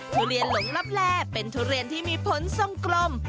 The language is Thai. ทุเรียนหลงลับแลเป็นทุเรียนที่มีผลทรงกลม